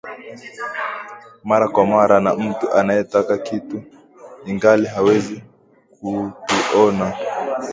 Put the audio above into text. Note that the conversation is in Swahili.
mara kwa mara na mtu anayetaka kitu ingali hawezi kutuona